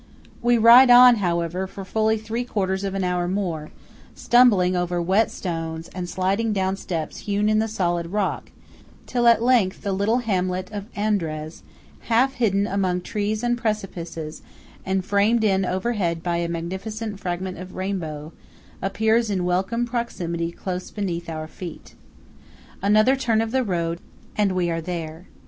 We ride on, however, for fully three quarters of an hour more, stumbling over wet stones and sliding down steps hewn in the solid rock, till at length the little hamlet of Andraz, 12 half hidden among trees and precipices, and framed in overhead by a magnificent fragment of rainbow, appears in welcome proximity close beneath our feet. Another turn of the road, and we are there.